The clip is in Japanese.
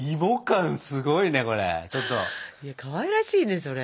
かわいらしいねそれ。